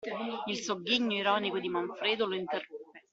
Il sogghigno ironico di Manfredo lo interruppe.